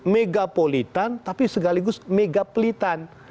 megapolitan tapi segaligus megapelitan